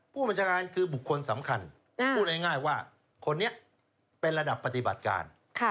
ผู้บัญชาการคือบุคคลสำคัญพูดง่ายว่าคนนี้เป็นระดับปฏิบัติการ